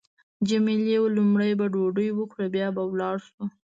جميلې وويل: لومړی به ډوډۍ وخورو بیا به ولاړ شو.